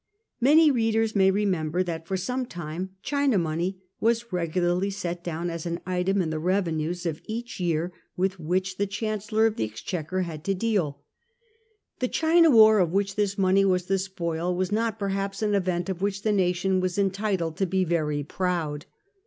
Many readers may remember that for some time ' China money ' was regularly set down as an item in the revenues of each year with which 1839 43. THE OPIUM TRAFFIC. 165 the Chancellor of the Exchequer had to deal. The China War of which this money was the spoil was not perhaps an event of which the nation was entitled to be very proud.